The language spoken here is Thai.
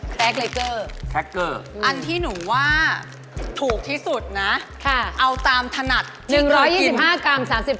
แคร็กเกอร์อันที่หนูว่าถูกที่สุดนะเอาตามถนัดที่เค้ากิน